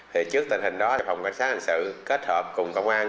thì trước tình hình đó phòng cảnh sát hành sự kết hợp cùng công an